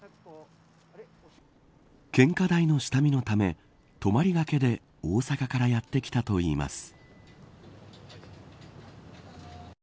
献花台の下見のため泊りがけで大阪からやってきたといいます。